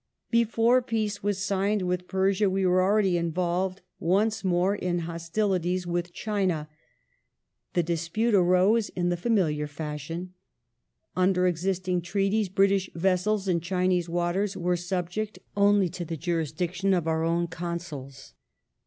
Before peace was signed with Persia we were already involved The affair once more in hostilities with China. The dispute arose in the^Qi cha familiar fashion. Under existing treaties British vessels in Chinese Arrow waters were subject only to the jurisdiction of our own consuls.